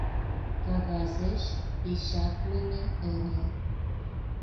Кагазеш печатлыме ыле: